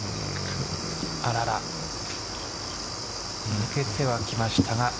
抜けてはきましたが。